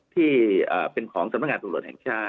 ที่เป็นของสำนักงานตำรวจแห่งชาติ